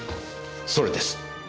それです。